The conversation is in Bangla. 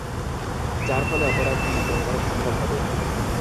যার ফলে অপরাধ নিয়ন্ত্রণ করা সম্ভব হবে।